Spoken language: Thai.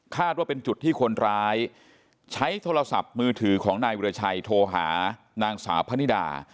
ว่าเป็นจุดที่คนร้ายใช้โทรศัพท์มือถือของนายวิราชัยโทรหานางสาวพนิดา